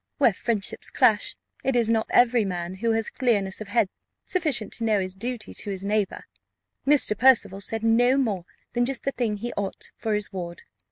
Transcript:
Where friendships clash, it is not every man who has clearness of head sufficient to know his duty to his neighbour. Mr. Percival said no more than just the thing he ought, for his ward.